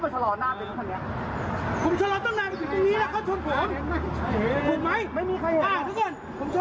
เขาอยู่ด้านล่าง